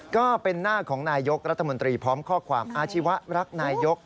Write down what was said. ก็เป็นหน้าของนายยกรัฐมนตรีพร้อมข้อความอาชีวะรักนายก